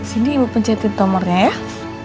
sini ibu pencetin nomornya ya